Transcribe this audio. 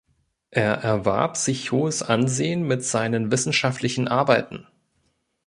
Er erwarb sich hohes Ansehen mit seinen wissenschaftlichen Arbeiten.